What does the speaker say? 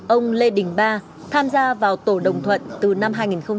ông lê đình ba tham gia vào tổ đồng thuận từ năm hai nghìn một mươi